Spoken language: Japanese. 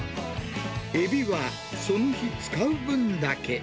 エビはその日使う分だけ。